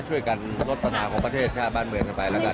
ช่วยกันลดปัญหาของประเทศชาติบ้านเมืองกันไปแล้วกัน